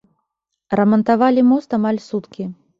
Рамантавалі мост амаль суткі.